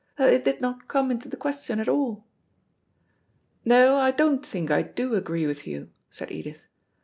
That they did not come into the question at all." "No, I don't think I do agree with you," said Edith.